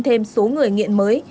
thêm số người nghiện mới